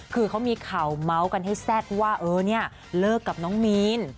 คือเขามีข่าวเมาส์กันให้แซ่บว่าเออเนี่ยเลิกกับน้องมีน